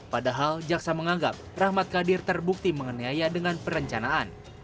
padahal jaksa menganggap rahmat kadir terbukti mengenaiya dengan perencanaan